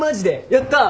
やったぁ！